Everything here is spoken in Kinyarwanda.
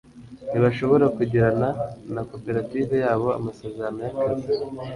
ntibashobora kugirana na koperative yabo amasezerano y'akazi